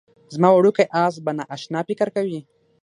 زما وړوکی اس به نا اشنا فکر کوي